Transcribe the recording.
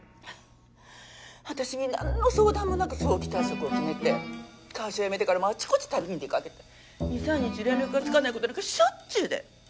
私に何の相談もなく早期退職を決めて会社辞めてからもあちこち旅に出掛けて２３日連絡がつかないことなんかしょっちゅうで。